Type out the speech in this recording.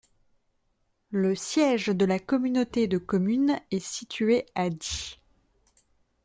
Le siège de la communauté de communes est situé à Die.